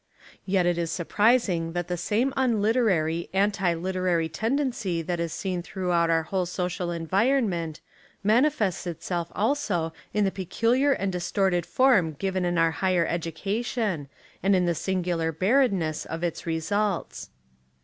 Yet it Is surprising that the same un llterary, anti literary tendency that is seen throughout our whole social environment, mani fests itself also in the peculiar and distorted form given in our higher education and In the singular barrenness of its results.